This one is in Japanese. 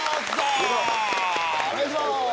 お願いしまーす。